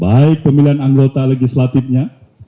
baik pemilihan anggota legislatifnya